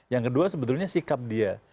yang kedua sebetulnya sikap dia